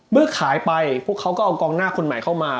ขายไปพวกเขาก็เอากองหน้าคนใหม่เข้ามา